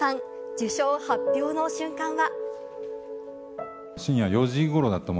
受賞発表の瞬間は。